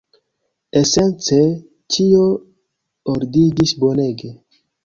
Esence, ĉio ordiĝis bonege.